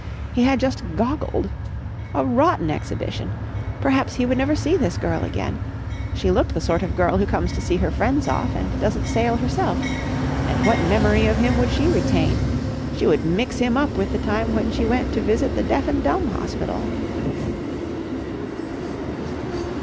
He had just goggled. A rotten exhibition! Perhaps he would never see this girl again. She looked the sort of girl who comes to see friends off and doesn't sail herself. And what memory of him would she retain? She would mix him up with the time when she went to visit the deaf and dumb hospital.